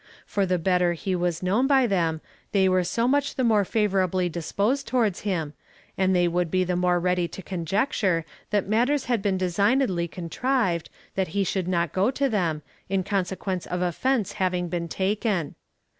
For the better he was known by tliem, they were so much the more favourably disposed towards him, and they would be the more ready to conjecture, that matters had been designedly contrived, that he should not go to them, in consequence of offence having been taken.